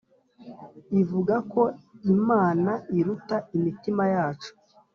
ivuga ko Imana iruta imitima yacu